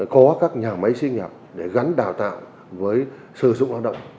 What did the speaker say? có các nhà máy sinh nhập để gắn đào tạo với sử dụng lao động